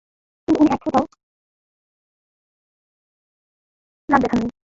কিন্তু উনি এক ফোঁটাও রাগ দেখাননি।